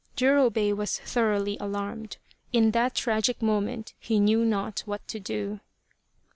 Jurobei was thoroughly alarmed. In that tragic moment he knew not what to do.